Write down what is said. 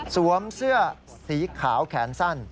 เสื้อสีขาวแขนสั้น